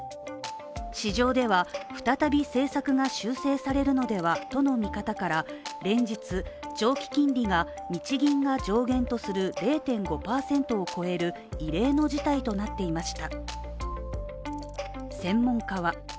市場では、再び政策が修正されるのではとの見方から連日、長期金利が日銀が上限とする０．５％を超える異例の事態となっていました。